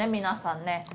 皆さんね。